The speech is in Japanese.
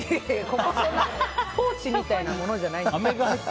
ここポーチみたいなものじゃないから。